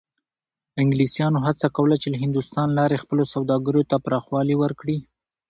انګلیسانو هڅه کوله چې له هندوستان لارې خپلو سوداګریو ته پراخوالی ورکړي.